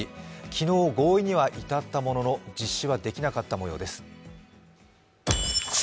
昨日、合意には至ったものの実施はできなかった模様です。